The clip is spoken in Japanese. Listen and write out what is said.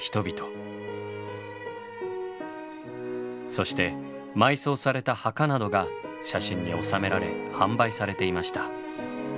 そして埋葬された墓などが写真に収められ販売されていました。